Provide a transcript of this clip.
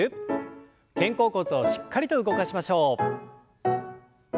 肩甲骨をしっかりと動かしましょう。